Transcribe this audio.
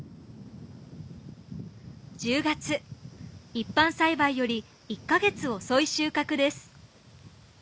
一般栽培より１カ月遅い収穫です。